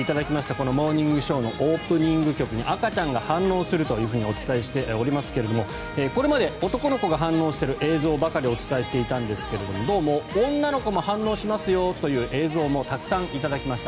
この「モーニングショー」のオープニング曲に赤ちゃんが反応するとお伝えしておりますがこれまで男の子が反応している映像ばかりお伝えしていたんですがどうも、女の子も反応しますよという映像もたくさん頂きました。